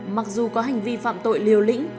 mặc dù có hành vi phạm tội liều lĩnh